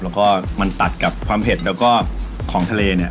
แล้วก็มันตัดกับความเผ็ดแล้วก็ของทะเลเนี่ย